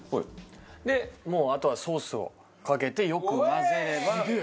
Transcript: もうあとはソースをかけてよく混ぜれば。